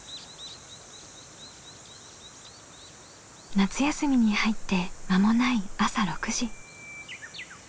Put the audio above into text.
夏休みに入って間もない朝６時。